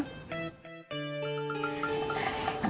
tuh kum paham kan